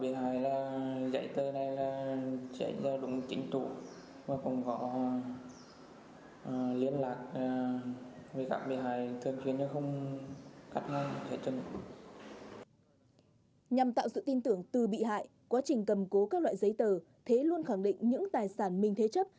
nhằm tạo sự tin tưởng từ bị hại quá trình cầm cố các loại giấy tờ thế luôn khẳng định những tài sản minh thế chấp